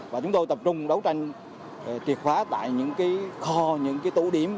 và chúng tôi tập trung đấu tranh triệt phá tại những cái kho những cái tụ điểm